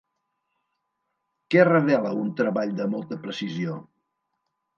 Què revela un treball de molta precisió?